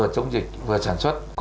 trong vấn đề sản xuất